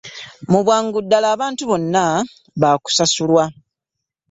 Mu bwangu ddala, abantu bonna ba kusasulwa